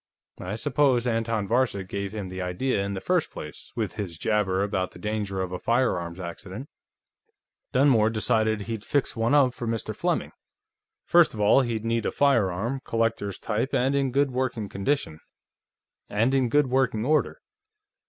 I suppose Anton Varcek gave him the idea, in the first place, with his jabber about the danger of a firearms accident. Dunmore decided he'd fix one up for Mr. Fleming. First of all, he'd need a firearm, collector's type and in good working order.